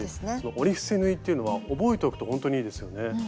折り伏せ縫いっていうのは覚えておくとほんとにいいですよね。